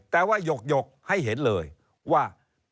แต่ว่าหยกให้เห็นเลยว่า